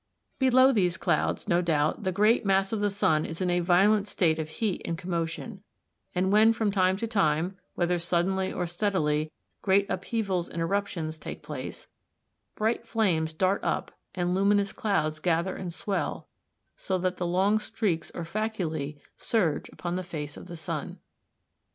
] Below these clouds, no doubt, the great mass of the sun is in a violent state of heat and commotion, and when from time to time, whether suddenly or steadily, great upheavals and eruptions take place, bright flames dart up and luminous clouds gather and swell, so that long streaks or faculæ surge upon the face of the sun.